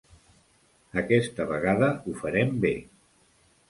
Aquesta vegada ho farem bé.